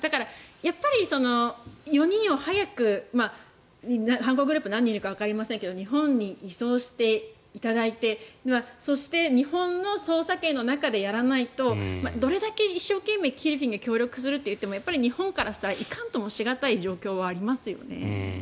やっぱり４人を早く犯行グループが何人いるかわかりませんが日本に移送していただいてそして、日本の捜査権の中でやらないとどれだけ一生懸命フィリピンが協力するといってもやはり日本としてはいかんともし難い状況はありますよね。